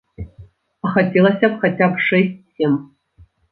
А хацелася б хаця б шэсць-сем.